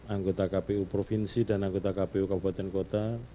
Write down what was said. anggota kpu provinsi dan anggota kpu kabupaten kota